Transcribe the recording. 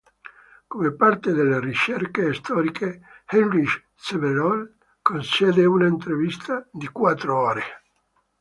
Come parte delle ricerche storiche, Heinrich Severloh concesse una intervista di quattro ore.